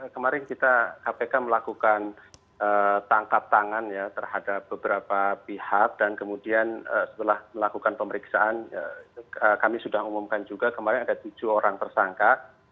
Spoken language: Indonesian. kemarin kita kpk melakukan tangkap tangan ya terhadap beberapa pihak dan kemudian setelah melakukan pemeriksaan kami sudah umumkan juga kemarin ada tujuh orang tersangka